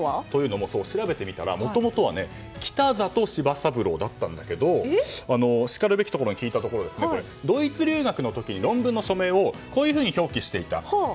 調べてみたらもともとは「きたざとしばさぶろう」だったんだけどしかるべきところに聞いたところドイツ留学の時に論文の署名をこういうふうに表記していた。